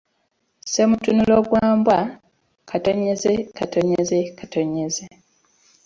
Ssemutunulo gwa mbwa, …